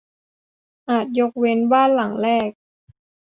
อาจยกเว้นบ้านหลังแรก